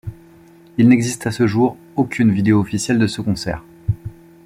Il n'existe à ce jour aucune vidéo officielle de ce concert.